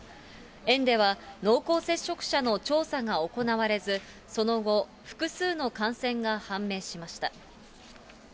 園では濃厚接触者の調査が行われず、その後、複数の感染が判明しました。